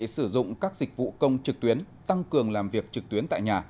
sử dụng các dịch vụ công trực tuyến tăng cường làm việc trực tuyến tại nhà